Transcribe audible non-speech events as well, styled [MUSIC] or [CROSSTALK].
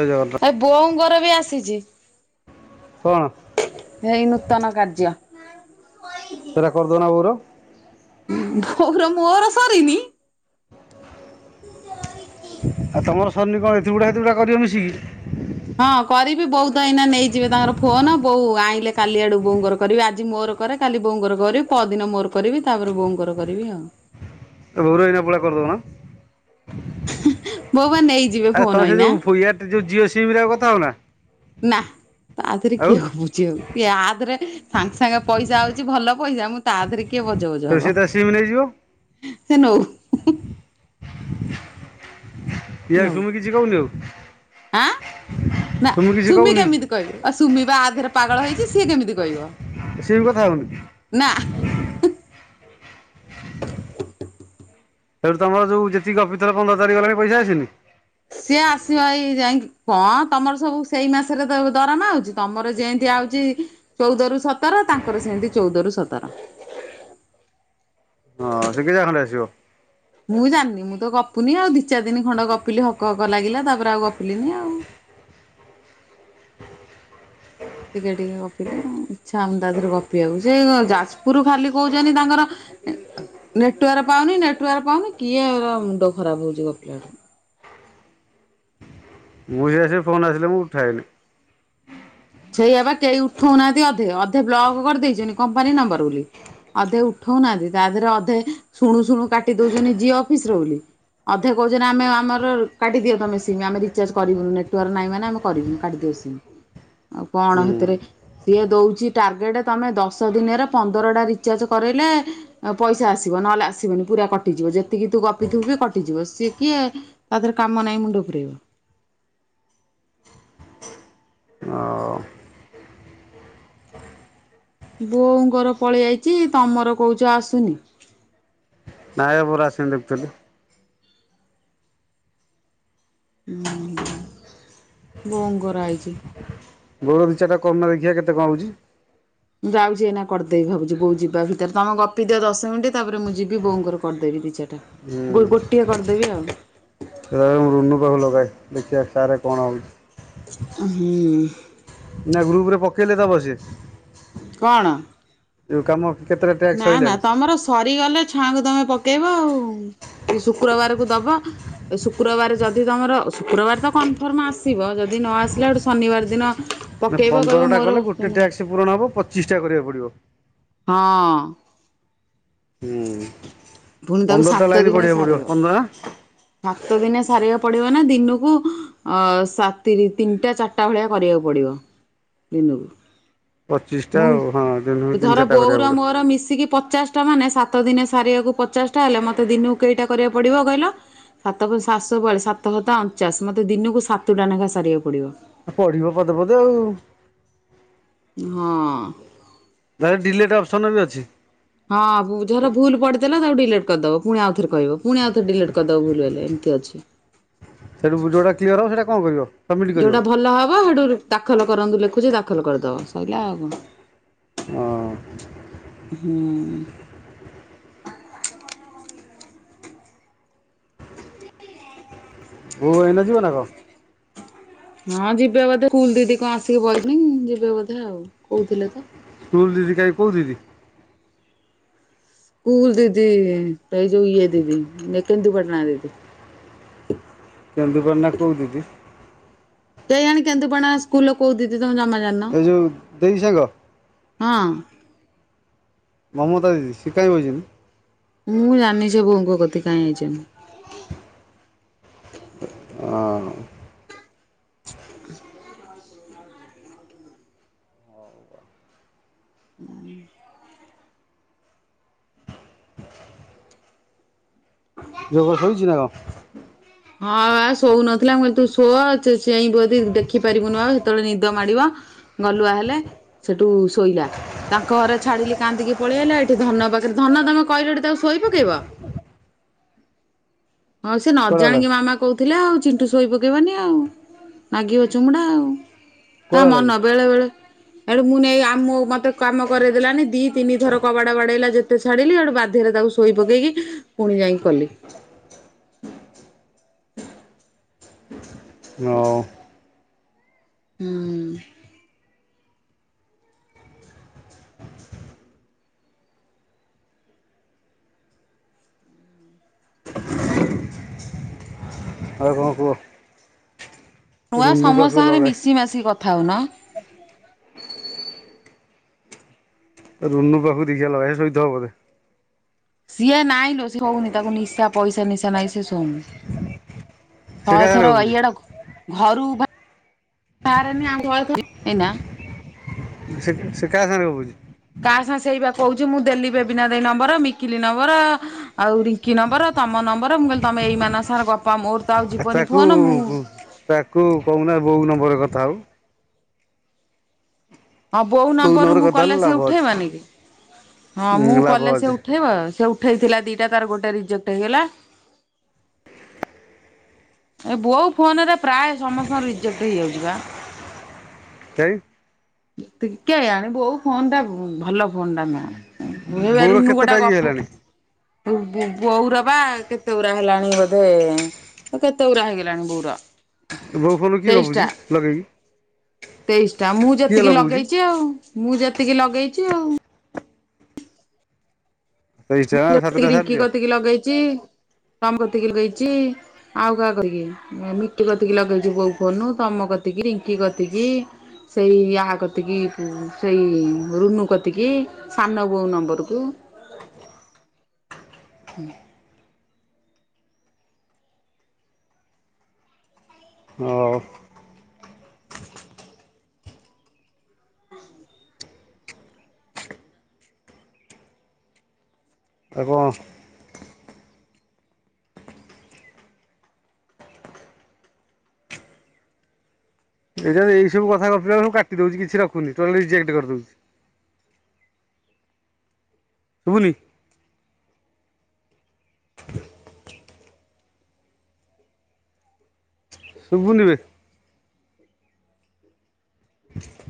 ଜୟ ଜଗନ୍ [INAUDIBLE] ଏ ବୋଉଙ୍କର ବି ଆସିଚି। କଣ? ହେଇ ନୂତନ କାର୍ଯ୍ୟ। ସେରା କରିଦଉନା ବୋଉର। ବୋଉର ମୋର ସରିନି। [UNINTELLIGIBLE] ଆଉ ତମର ସରିନି କଣ ଏଥୁରୁଗୁଡେ ହେଥୁରୁଗୁଡେ କରିବ ମିଶିକି। ହଁ କରିବି, ବୋଉ ତ ଏଇନା ନେଇଯିବେ ତାଙ୍କର ଫୋନ ବୋଉ ଆଇଁଲେ କାଲି ଆଡୁ ବୋଉଙ୍କର କରିବି। ଆଜି ମୋର କରେ କାଲି ବୋଉଙ୍କର କରିବି ପଅରଦିନ ମୋର କରିବି ତାପରେ ବୋଉଙ୍କର କରିବି ଆଉ। ଏ ମୋର ଏଇନା ପୁଳା କରିଦଉନା। ହଁ ଆରେ ତମେ ସେ ଯୋଉ ଏୟାର୍ ଯୋଉ ଜିଓ ସିମ୍ ରେ ଆଉ କଥା ହଉନା? ନା। ତା ଦେହରେ ଆଉ କିଏ ହବ। କରୁଚି ଆଉ। ଆ ଦେହରେ ସାଙ୍ଗେ ସାଙ୍ଗେ ପଇସା ଆଉଚି ଭଲ ପଇସା। ମୁଁ ତା ଦେରେ କିଏ ବଜ ବଜ ସେଠୁ ସେ ହବ। ତା ସିମ୍ ନେଇଯିବ। ସେ ନଉ। [UNINTELLIGIBLE] ନଉ କିଛି କହୁନ ଆଉ। ଆଁ? ନା କିଛି ସୁମି କହୁନି କେମିତି କହିବ ଆଉ ସୁମି ବା ଆ ଦେହରେ ପାଗଳ ହେଇଚି ସିଏ କେମିତି କହିବ। ସିଏ ବି କଥା ହଉନି? ନା ସେଇଠୁ ତମର ଯଉ ଯେତିକି ଗପିଥିଲ ପନ୍ଦର ତାରିଖ ଗଲାଣି ପଇସା ଆସିନି? ସିଏ ଆସିବ ଏଇ ଯାଇଁକି କଣ ତମର ସବୁ ସେଇ ମାସରେ ଦରମା ଆଉଚି। ତମର ଯେନ୍ତି ଆଉଚି ଚଉଦ ରୁ ସତର, ତାଙ୍କର ସେନ୍ତି ଚଉଦ ରୁ ସତର। ହଁ [UNINTELLIGIBLE] ଖଣ୍ଡେ ଆସିବ। ମୁଁ ଜାଣିନି। ମୁଁ ତ ଗପୁନି ଆଉ। ଦି ଚାର ଦିନ ଖଣ୍ଡେ ଗପିଲି ହକ ହକ ଲାଗିଲା ତାପରେ ଆଉ ଗପିଲିନି ଆଉ। ଟିକେ ଟିକେ ଗପିଲି ଆଉ। ଇଚ୍ଛା ହଉନି ତା ଦେହରେ ଗପିବାକୁ। ସେ ଯାଜପୁରୁ ଖାଲି କହୁଛନ୍ତି ତାଙ୍କର ନେଟୱାର ପାଉନି ନେଟୱାର ପାଉନି କିଏ ଏରା ମୁଣ୍ଡ ଖରାପ ହଉଚି ଗପିଲାଠୁ। ମୁଁ ବି ସେଇୟା ସେ ଫୋନ୍ ଆସିଲେ ମୁଁ ଉଠାଏନି। ସେଇଆ ପା କେହି ଉଠଉନାହାନ୍ତି ଅଧେ, ଅଧେ ବ୍ଲକ କରିଦେଇଛନ୍ତି କମ୍ପାନୀ ନମ୍ବର ବୋଲି। ଅଧେ ଉଠଉନାହାନ୍ତି। ତା ଦେହରେ ଅଧେ ଶୁଣୁ ଶୁଣୁ କାଟି ଦଉଛନ୍ତି ଜିଓ ଅଫିସ ର ବୋଲି। ଅଧେ କହୁଛନ୍ତି ଆମେ ଆମର କାଟିଦିଅ ତମେ ସିମ୍ ଆମେ ରିଚାର୍ଜ କରିବୁନୁ ନେଟୱାର୍କ ନାହିଁ ମାନେ ଆମେ କରିବୁନି କାଟିଦିଅ ସିମ୍। ଆଉ କଣ ହୁଁ ହେଥିରେ ସିଏ ଦଉଚି ଟାର୍ଗେଟ ତମେ ଦଶ ଦିନରେ ପନ୍ଦରଟା ରିଚାର୍ଜ କରେଇଲେ ଆଉ ପଇସା ଆସିବ, ନହେଲେ ଆସିବନି ପୁରା କଟିଯିବ। ଯେତିକି ତୁ ଗପିଥିବୁ ବି କଟିଯିବ। ସିଏ କିଏ ତା ଦେହରେ କାମ ନାଇଁ ମୁଣ୍ଡ ପୁରେଇବ। [UNINTELLIGIBLE] ବୋଉଙ୍କର ପଳେଇ ଆଇଚି ତମର କହୁଚ ଆସୁନି। ନାଇଁ ବା ମୋର ଆସିନି ଦେଖୁଥିଲି। ଉଁ ବୋଉଙ୍କର ଆଇଚି। ବୋଉର ଦି ଚାରିଟା କରୁନ ଦେଖିଆ କେତେ କଣ ଆଉଚି। ମୁଁ ଯାଉଚି ଏଇନା କରିଦେବି ଭାବୁଚି ବୋଉ ଯିବା ଭିତରେ। ତମେ ଗପିଦିଅ ଦଶ ମିନିଟ୍ ତାପରେ ମୁଁ ଯିବି ବୋଉଙ୍କର କରିଦେବି ଦି ଚାରିଟା। ଗୋ ଗୋଟିଏ କରିଦେବି ଆଉ। ରହ ମୁଁ ରୁନୁ ପାଖକୁ ଲଗାଏ ଦେଖିଆ ତାରେ କଣ ଆଉଚି। ହୁଁ। ନା ଗ୍ରୁପ ରେ ପକେଇଲେ ଦବ ସେ? କଣ ଯୋଉ କାମ କେତେଟା ଟ୍ୟାକ୍ସ ନା ନା ସଇଲାଣି? ତମର ସରିଗଲେ ଛୁଆଙ୍କୁ ତମେ ପକେଇବ ଆଉ ଏଇ ଶୁକ୍ରବାରକୁ ଦବ। ଏଇ ଶୁକ୍ରବାର ଯଦି ତମର ଶୁକ୍ରବାର ତ କନଫର୍ମ ଆସିବ ଯଦି ନ ଆସିଲା ହେଟୁ ଶନିବାର ଦିନ ନା ପକେଇବ କହିବ ପନ୍ଦରଟା ମୋର କଲେ ଗୋଟେ ପେମେଣ୍ଟ। ଟ୍ୟାକ୍ସ ପୂରଣ ହବ ପଚିଶଟା କରିବାକୁ ପଡିବ। ହଁ। ହୁଁ ପୁଣି ତାକୁ ପନ୍ଦରଟା ସାତ ଲାଇନ୍ ଦିନେ ପଢିବାକୁ ପଡିବ ସାରିବ। ପନ୍ଦର ସାତ ଦିନେ ସାରିବାକୁ ପଡିବ ନା ଦିନକୁ ଅ ସା ତିରି ତିନିଟା ଚା ରିଟା ଭଳିଆ କରିବାକୁ ପଡିବ ଦିନକୁ। ପଚିଶଟା ଆଉ ହଁ ଦିନକୁ ମୁଁ ତିନି ଧର ଚାରିଟା କରିବାକୁ ବୋଉର ପଡିବ। ମୋର ମିଶିକି ପଚାଶଟା ମାନେ ସା ସାତ ଦିନେ ସାରିବାକୁ ପଚାଶଟା ହେଲେ ମତେ ଦିନକୁ କେଇଟା କରିବାକୁ ପଡିବ କହିଲ। ସାତକୁ ସାତଶହ ବୟାଳିଶ ସାତ ସତା ଅଣଚାଶ। ମୋତେ ଦିନକୁ ସାତଟା ନେଖା ସାରିବାକୁ ପଡବ। ଆ ପଢିବ ପଦେ ପଦେ ଆଉ। ହଁ। ତାର ଡିଲେଟ ଅପସନ୍ ବି ଅଛି। ହଁ ଭୁ ଯୋଉରା ଭୁଲ୍ ପଡିଦେଲ ତାକୁ ଡିଲେଟ୍ କରିଦବ ଫୁଣି ଆଉ ଥରେ କହିବ। ପୁଣି ଆଉ ଥରେ ଡିଲେଟ କରିଦେବ ଭୁଲ ହେଲେ ଏମିତି ଅଛି। ସେଠୁ ଯୋଉଟା କ୍ଲିୟର ହବ ସେଟା କଣ କରିବ। ସବମିଟ୍ କରିବ ଯୋଉଟା ହଁ ଭଲ ହବ ହେଠୁ ଦାଖଲ କରନ୍ତୁ ଲେଖୁଚି ଦାଖଲ କରିଦବ ସଇଲା ଆଉ କଣ। ହଁ। ହୁଁ। ବୋଉ ଏଇନା ଯିବ ନା କଣ? ହଁ ଯିବେ ବୋଧେ ସ୍କୁଲ ଦିଦି କଣ ଆସିକି ବଇଚନ୍ତି ଯିବେ ବୋଧେ ଆଉ କହୁଥିଲେ ତ। ସ୍କୁଲ ଦିଦି କାଇଁ କୋଉ ଦିଦି। ସ୍କୁଲ ଦିଦି ଏଇ ଯୋଉ ଇଏ ଦିଦି ନେ କେନ୍ଦୁପାଟଣା ଦିଦି। କେନ୍ଦୁପାଟାଣା କୋଉ ଦିଦି? କେଇଆଣୀ କେନ୍ଦୁପଣା ସ୍କୁଲର କୋଉ ଦିଦି ତମେ ଜମା ଜାଣିନ ଏ ଯୋଉ ଦେଇ ସାଙ୍ଗ ହଁ। ମମତା ଦିଦି ସେ କାଇଁ ବ‌ଇଚନ୍ତି। ମୁଁ ଜାଣିିନି ସେ ବୋଉଙ୍କ କତିକି କାଇଁ ଆଇଚନ୍ତି। ହଁ। [UNINTELLIGIBLE] ଜୋକ ଶୋଇଚି ନା କଣ? ହଁ ବା ଶୋଉ ନଥିଲା ମୁଁ କହିଲି ତୁ ଶୋ ଚେ-ଚେଇଁବୁ ଯଦି ଦେଖିପାରିବୁନି ଆଉ ସେତେବେଳେ ନିଦ ମାଡିବ। ଗଲୁଆ ହେଲେ ସେଠୁ ଶୋଇଲା। ତାଙ୍କ ଘରେ ଛାଡିଲି କାନ୍ଦିକି ପଳେଇଲା। ଏଠି ଧନ ପାଖରେ ଧନ ତମେ କହିଲ ଏଠି ତାକୁ ଶୋଇ ପକେଇବ। ହଁ ସେ ନ କୁଆଡେ ଗଲା ଜାଣିକି ମାମା କୋଉଥିଲା ଆଉ ଚିଣ୍ଟୁ ଶୋଇ ପକେଇବନି ଆଉ ନିଗିବ ଚୁମୁଡା ଆଉ। ତା କୁଆଡେ ଗଲା କି? ମନ ବେଳେ ବେଳେ ଏଣୁ ମୁଁ ନେଇ ଆମ ମୋ ମତେରୁ କାମ କରେଇ ଦେଲାନି ଦି ତିନି ଥର କବାଡ ବାଡେଇଲା ଯେ ଗୋଟେ ଛାଡିଲି ହେଟୁ ବାଧ୍ୟରେ ତାକୁ ଶୋଇ ପକେଇକି ପୁଣି ଯାଇଁକି କଲି। ହଁ। ହୁଁ। ଆଉ କଣ କୁ଼ହ। ନୂଆ ସମସ୍ତସାଙ୍ଗରେ ଲଗାଏ ମିଶି ମାସିକି କଥା ହୋଉନ। ରୁନୁ ପାଖୁ ଦି ଜାଲ ଏ ଶୋଇଥିବ ବୋଧେ। ସିଏ ନାଇଁ ଲୋ ସେ ହଉନି ତାକୁ ନିଶା ପଇସା ନିଶା ନାଇଁ ସେ ଶୋଉନି। ସେ ଶହେ କାହା ସାଙ୍ଗରେ ଥର ଗପୁଛି ଇଆଡକ୍ ଘରୁ ବା [INAUDIBLE] ହାରେନି [UNINTELLIGIBLE] ଏଇନା ସେ ସେ କାଆ ସାଙ୍ଗରେ [UNINTELLIGIBLE] କା ସାଁ ସେଇ ବା କହୁଚି ମୁଁ ଦେଲି ବେବିନା ଦେଇ ନମ୍ବର ମିକିଲି ନମ୍ବର। ଆଉ ରିଙ୍କି ନମ୍ବର ତମ ନମ୍ବର ମୁଁ କହିଲି ତମେ ଏଇ ମାନ ସାଙ୍ଗ [UNINTELLIGIBLE] ଗପ ଆଉ ମୋର ତ ଆଉ ଆ ଯିବନି ତାକୁ ଫୋନ ମୁଁ ତାକୁ କହୁନା ବୋଉ ନମ୍ବରେ କଥା ହଉ। ହଁ ବୋଉ ନମ୍ବରରୁୁ ନମ୍ବରରେ ମୁଁ କଥା ହେଲେ କଲେ ସେ ଲାଭ ଅଛି। ଉଠେଇବନି କି ହଁ ମୁଁ ଉଁ ଲାଭ କଲେ ସେ ଅଛି ଉଠ୍ ଠେଇବ ସେ ଉଠାଇଥିଲା ଦିଟା ତାର ଗୋଟେ ରିଜେକ୍ଟ ହେଇଗଲା। ଏ ବୋଉ ଫୋନ୍ ରେ ପ୍ରାୟ ସମସ୍ତଙ୍କ ରିଜେକ୍ଟ ହେଇଯାଉଚି ବା। [UNINTELLIGIBLE] [UNINTELLIGIBLE] କେଆଣି ବୋଉ ଫୋନ୍ ଟା ଭଲ ଫୋନ୍ ଟା ନୁଅ। ମୁଁ ବା ବୋଉର ରୁନୁ କେତେଟା ଗୋଟା ଇଏ ଗପୁ ହେଲାଣି ବୁ ବୁ‌ ବୋଉର ବା କେତେ ଉରା ହେଲାଣି ବୋଧେ ଏଁ ଏ କେତେ ଗୁରା ହେଇ ଗଲାଣି ବୋଉର। ବୋଉ ଫୋନୁ କିଏ ଗପୁଚି ଲଗେଇ କି? ତେଇଶ୍ ଟା ମୁଁ ଯେତିକି ଲଗଉଛି ଲଗେଇଚି ଆଉ ମୁଁ ଯେତିକି ଲଗେଇଚି ଆଉ। ତେଇଶ ଟଙ୍କା ଆଉ ମୁଁ [UNINTELLIGIBLE] କି ସାତଟା ରିଙ୍କି ସାରିଦିଅ କତିକି ଲଗେଇଚି ତମ କତିକି ଲଗେଇଚି। ଆଉ କାଆ କ [UNINTELLIGIBLE] କି ମିଟି କତିକି ଲଗେଇଛି ବୋଉ ଫୋନୁ ତମ କତିକି ରିଙ୍କି କତିକି। ସେଇ ଆ କତିକି ହୁଁ ସେଇ ରୁନୁ କତିକି। ସାନବୋଉ ନମ୍ବରକୁ। ହୁଁ। ହଉ। [INAUDIBLE] ଆଉ କଁ ଏଇ ଯୋ ଏଇ ସବୁ କଥା ଗପିଲାଳୁ କାଟି ଦଉଚି କିଛି ରଖୁନି ଟୋଟାଲି ରିଜେକ୍ଟ କରି ଦଉଚି। [UNINTELLIGIBLE] ଶୁଭୁନି ବେ। [INAUDIBLE]